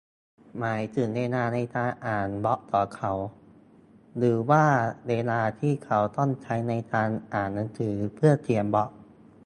หมายถึงเวลาในการอ่านบล็อกของเขา หรือว่าเวลาที่เขาต้องใช้ในการอ่านหนังสือเพื่อเขียนบล็อก ?